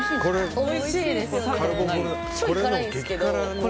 おいしいですよねこれ。